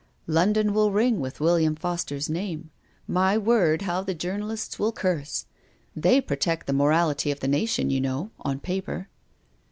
" London will ring with William Foster's name. My word how the Journalists will curse ! They protect the morality of the nation you know — on paper."